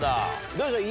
どうでしょう？